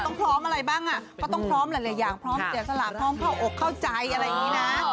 ต้องพร้อมอะไรบ้างอ่ะก็ต้องพร้อมหลายอย่างพร้อมเสียสละพร้อมเข้าอกเข้าใจอะไรอย่างนี้นะ